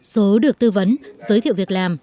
số được tư vấn giới thiệu việc làm